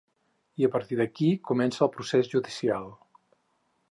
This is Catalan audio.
I a partir d’aquí comença el procés judicial.